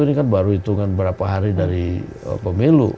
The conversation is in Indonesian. ini kan baru hitungan berapa hari dari pemilu